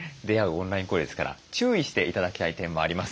オンライン交流ですから注意して頂きたい点もあります。